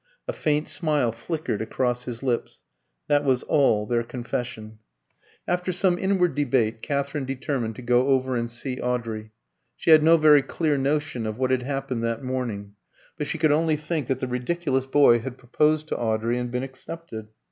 A faint smile flickered across his lips. That was all their confession. After some inward debate, Katherine determined to go over and see Audrey. She had no very clear notion of what had happened that morning; but she could only think that the ridiculous boy had proposed to Audrey and been accepted.